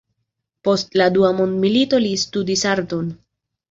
Post la dua mondmilito li studis arton.